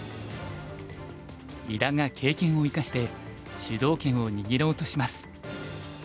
伊田が経験を生かして主導権を握ろうとします。